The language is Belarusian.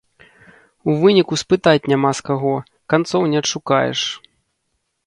У выніку спытаць няма з каго, канцоў не адшукаеш.